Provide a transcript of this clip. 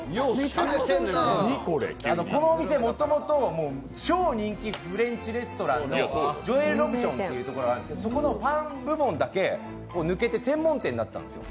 このお店、もともと超人気フレンチレストランでジョエル・ロブションというところがあるんですけれども、そこのパン部門だけ抜けて専門店になったんですよ。